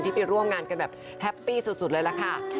ไปร่วมงานกันแบบแฮปปี้สุดเลยล่ะค่ะ